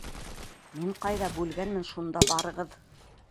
Мин ҡайҙа бүлгәнмен, шунда барығыҙ.